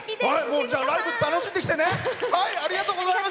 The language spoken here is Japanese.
ライブ楽しんできてね。